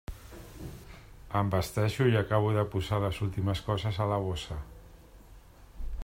Em vesteixo i acabo de posar les últimes coses a la bossa.